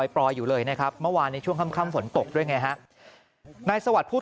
ปล่อยอยู่เลยนะครับเมื่อวานในช่วงค่ำฝนตกด้วยไงฮะนายสวัสดิ์ผู้